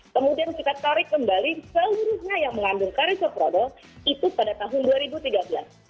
kemudian kita tarik kembali seluruhnya yang mengandung tarifoprodel itu pada tahun dua ribu tiga belas